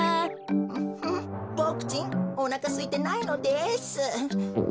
うボクちんおなかすいてないのです。